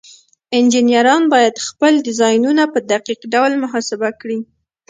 انجینران باید خپل ډیزاینونه په دقیق ډول محاسبه کړي.